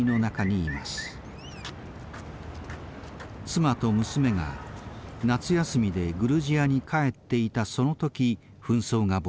妻と娘が夏休みでグルジアに帰っていたその時紛争が勃発。